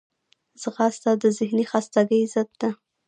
ځغاسته د ذهني خستګي ضد ده